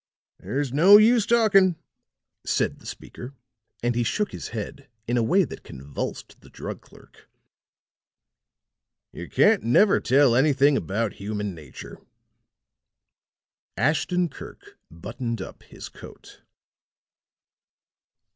There's no use talking," said the speaker and he shook his head in a way that convulsed the drug clerk, "you can't never tell anything about human nature." Ashton Kirk buttoned up his coat.